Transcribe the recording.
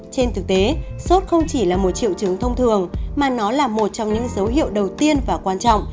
trên thực tế sốt không chỉ là một triệu chứng thông thường mà nó là một trong những dấu hiệu đầu tiên và quan trọng